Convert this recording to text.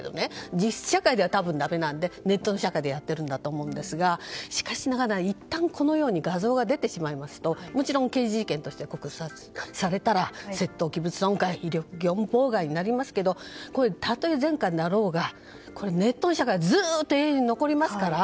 実社会ではだめなのでネットでやってると思うんですがしかしながらいったんこのように画像が出てしまいますともちろん刑事事件として告訴されたら窃盗、器物損壊業務妨害になりますけどたとえ前科になろうがネットの社会はずっと永遠に残りますから。